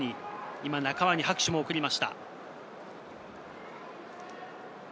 今、仲間に拍手を送りました。